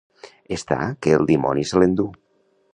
Estar que el dimoni se l'endú.